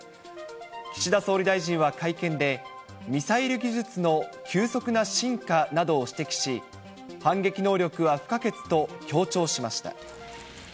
岸田総理大臣は会見で、ミサイル技術の急速な進化などを指摘し、反撃能力は不可欠と強調しました。